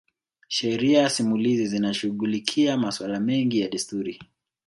Sheria simulizi zinashughulikia masuala mengi ya desturi